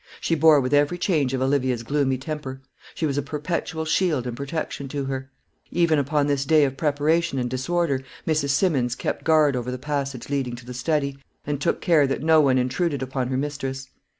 She bore with every change of Olivia's gloomy temper; she was a perpetual shield and protection to her. Even upon this day of preparation and disorder Mrs. Simmons kept guard over the passage leading to the study, and took care that no one intruded upon her mistress.